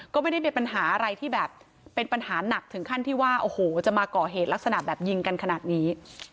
ก็ไม่ได้เป็นปัญหาอะไรที่แบบเป็นปัญหาหนักถึงขั้นที่ว่าโอ้โหจะมาก่อเหตุลักษณะแบบยิงกันขนาดนี้